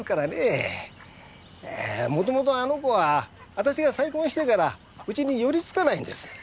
もともとあの子は私が再婚してからうちに寄りつかないんです。